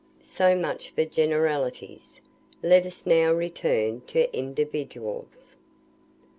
So much for generalities. Let us now return to individuals.